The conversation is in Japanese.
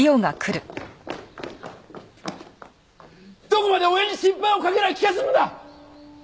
どこまで親に心配をかければ気が済むんだ！！